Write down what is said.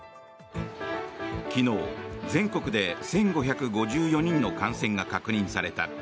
昨日、全国で１５５４人の感染が確認された。